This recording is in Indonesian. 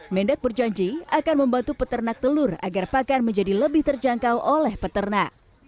mendak berjanji akan membantu peternak telur agar pakan menjadi lebih terjangkau oleh peternak